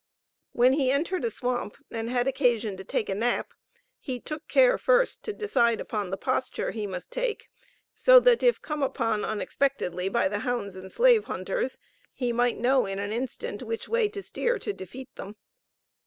When he entered a swamp, and had occasion to take a nap he took care first to decide upon the posture he must take, so that if come upon unexpectedly by the hounds and slave hunters, he might know in an instant which way to steer to defeat them.